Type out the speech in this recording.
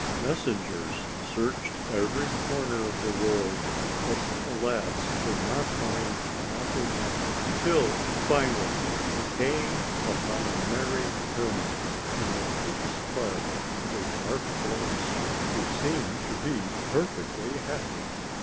Messengers searched every corner of the world but, alas! could not find a happy man, till finally they came upon a merry hermit in the thickest part of a dark forest who seemed to be perfectly happy.